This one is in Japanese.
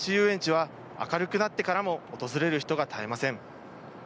園地は明るくなってからも訪れる人が絶えません。